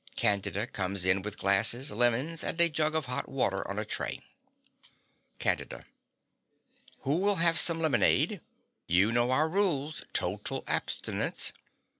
Candida comes in with glasses, lemons, and a jug of hot water on a tray.) CANDIDA. Who will have some lemonade? You know our rules: total abstinence.